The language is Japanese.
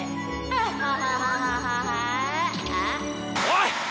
おい！